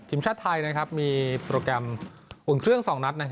ทีมชาติไทยมีโปรแกรมอุ่นเครื่อง๒นัด